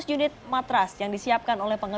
seratus unit matras yang disiapkan oleh penumpang